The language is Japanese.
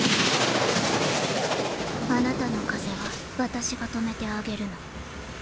あなたの風は私が止めてあげるの。